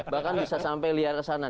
bahkan bisa sampai liar ke sana